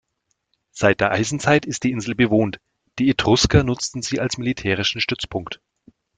Seit der Eisenzeit ist die Insel bewohnt, die Etrusker nutzten sie als militärischen Stützpunkt.